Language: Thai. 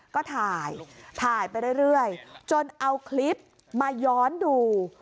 ก็ถ่ายถ่ายไปเรื่อยจนเอาคลิปมาย้อนดู